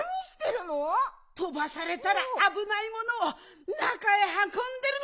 とばされたらあぶないものをなかへはこんでるの！